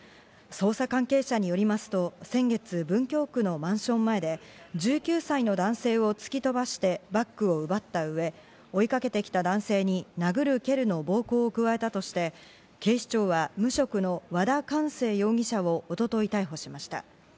捜査関係者によりますと先月、文京区のマンション前で１９歳の男性を突き飛ばしてバッグを奪ったうえ、追いかけてきた男性に殴る蹴るの暴行を加えたとして、警視庁は無職の和田貫成容疑者を一昨日逮捕しました。